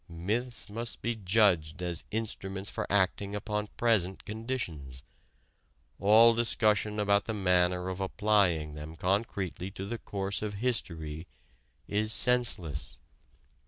Myths must be judged as instruments for acting upon present conditions; all discussion about the manner of applying them concretely to the course of history is senseless.